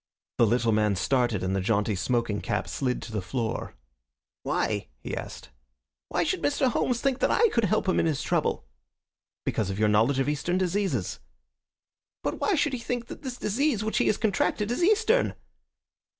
The little man started, and the jaunty smoking cap slid to the floor. "Why?" he asked. "Why should Mr. Homes think that I could help him in his trouble?" "Because of your knowledge of Eastern diseases." "But why should he think that this disease which he has contracted is Eastern?"